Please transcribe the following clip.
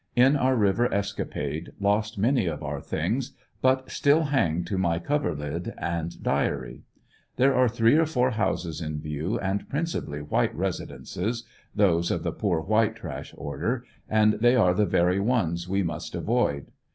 In our river escapade lost many of our things, but still hang to my coverlid and diary. There are three or four houses in view, and principally white residences, those of the poor white trash order, and they are the very ones we must avoid.